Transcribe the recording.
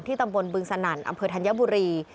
ตำบลบึงสนั่นอำเภอธัญบุรี